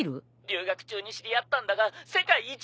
留学中に知り合ったんだが世界一の詮索好きだ！